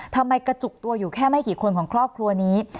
ทำไมกระจุกตัวอยู่แค่ไม่กี่คนของครอบครัวนี้